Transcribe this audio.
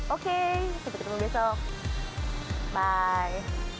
oke sampai ketemu besok bye